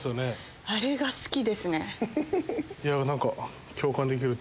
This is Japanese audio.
あれが好きですね。